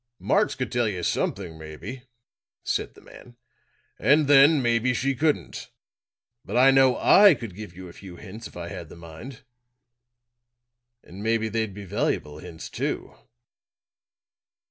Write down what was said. "Marx could tell you something, maybe," said the man. "And then maybe she couldn't. But, I know I could give you a few hints if I had the mind and maybe they'd be valuable hints, too."